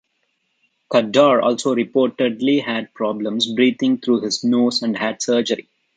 Kaddour also reportedly had problems breathing through his nose and had surgery.